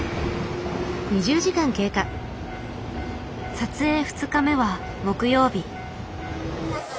撮影２日目は木曜日。